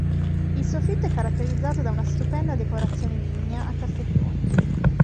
Il soffitto è caratterizzato da una stupenda decorazione lignea a cassettoni.